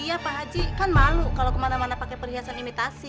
iya pak haji kan malu kalau kemana mana pakai perhiasan imitasi